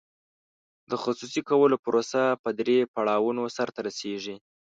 د خصوصي کولو پروسه په درې پړاوونو سر ته رسیږي.